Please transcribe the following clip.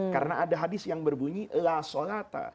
karena ada hadis yang berbunyi la sholata